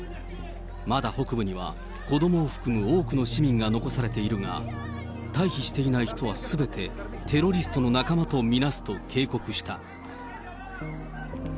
まだ北部には、子どもを含む多くの市民が残されているが、退避していない人はすべてテロリストの仲間と見なすと警告した。